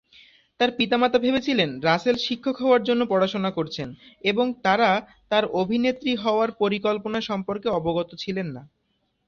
তার পিতামাতা ভেবেছিলেন রাসেল শিক্ষক হওয়ার জন্য পড়াশোনা করছেন এবং তারা তার অভিনেত্রী হওয়ার পরিকল্পনা সম্পর্কে অবগত ছিলেন না।